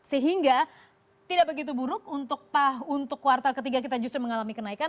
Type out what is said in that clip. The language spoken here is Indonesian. sehingga tidak begitu buruk untuk kuartal ketiga kita justru mengalami kenaikan